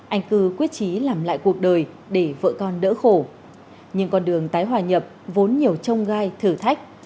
anh cư quyết trí làm lại cuộc đời để vợ con đỡ khổ nhưng con đường tái hòa nhập vốn nhiều trông gai thử thách